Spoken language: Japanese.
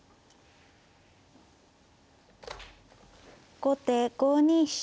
後手５二飛車。